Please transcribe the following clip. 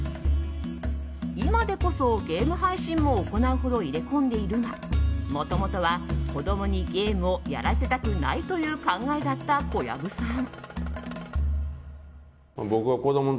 今でこそゲーム配信も行うほど入れ込んでいるがもともとは、子供にゲームをやらせたくないという考えだった小籔さん。